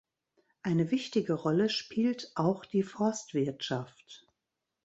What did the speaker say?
Eine wichtige Rolle spielt auch die Forstwirtschaft.